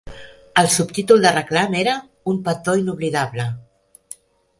El subtítol de reclam era "Un petó inoblidable!"